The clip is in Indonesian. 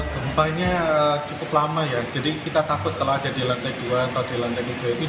gempanya cukup lama ya jadi kita takut kalau ada di lantai dua atau di lantai dua itu